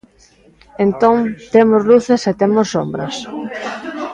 Entón, temos luces e temos sombras.